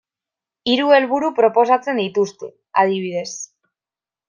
Hiru helburu proposatzen dituzte, adibidez.